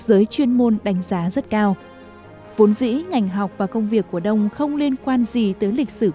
giới chuyên môn đánh giá rất cao vốn dĩ ngành học và công việc của đông không liên quan gì tới lịch sử